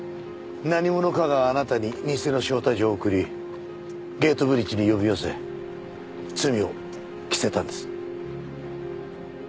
何者かがあなたに偽の招待状を送りゲートブリッジに呼び寄せ罪を着せたんです。